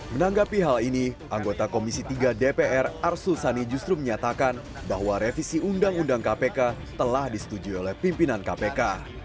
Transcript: menanggapi hal ini anggota komisi tiga dpr arsul sani justru menyatakan bahwa revisi undang undang kpk telah disetujui oleh pimpinan kpk